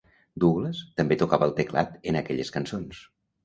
Douglas també tocava el teclat en aquelles cançons.